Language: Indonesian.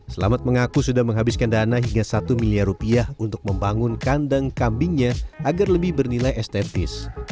selamat mengaku sudah menghabiskan dana hingga satu miliar rupiah untuk membangun kandang kambingnya agar lebih bernilai estetis